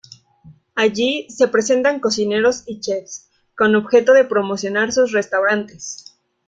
Allí se presentan cocineros y chefs, con objeto de promocionar sus restaurantes.